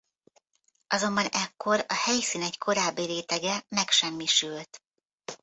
Azonban ekkor a helyszín egy korábbi rétege megsemmisült.